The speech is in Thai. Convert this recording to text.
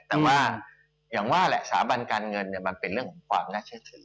แต่ว่าอย่างว่าแหละสถาบันการเงินมันเป็นเรื่องของความน่าเชื่อถือ